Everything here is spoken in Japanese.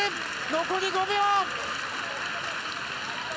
残り５秒！